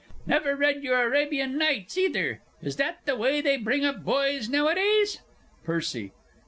Never read your Arabian Nights, either! Is that the way they bring up boys nowadays! PERCY.